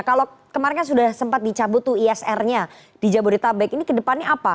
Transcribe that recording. kalau kemarin kan sudah sempat dicabut tuh isr nya di jabodetabek ini kedepannya apa